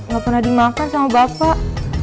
gak pernah dimakan sama bapak